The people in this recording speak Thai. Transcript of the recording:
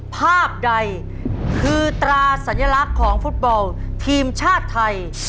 ภาพใดคือตราสัญลักษณ์ของฟุตบอลทีมชาติไทย